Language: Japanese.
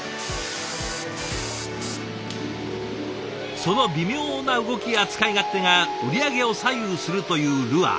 その微妙な動きや使い勝手が売り上げを左右するというルアー。